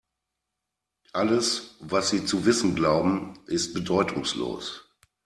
Alles, was Sie zu wissen glauben, ist bedeutungslos.